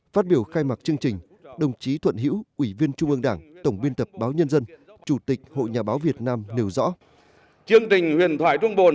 phát biểu khai mạc chương trình đồng chí thuận hữu ủy viên trung ương đảng tổng biên tập báo nhân dân chủ tịch hội nhà báo việt nam nêu rõ